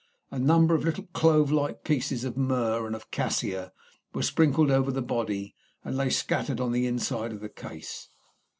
A number of little clove like pieces of myrrh and of cassia were sprinkled over the body, and lay scattered on the inside of the case.